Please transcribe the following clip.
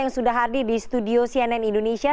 yang sudah hadir di studio cnn indonesia